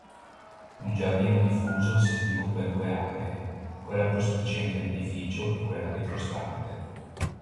Un giardino diffuso si sviluppa in due aree: quella prospiciente l'edificio e quella retrostante.